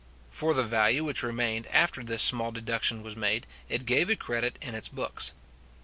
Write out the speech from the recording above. For the value which remained after this small deduction was made, it gave a credit in its books.